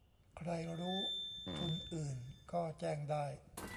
ใครรู้ทุนอื่นก็แจ้งได้